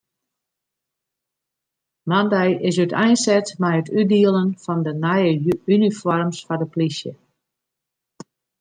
Moandei is úteinset mei it útdielen fan de nije unifoarms foar de polysje.